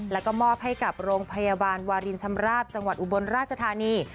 แล้วก็มอบให้กับโรงพยาบาลวารินชำราบจังหวัดอุบลราชธานี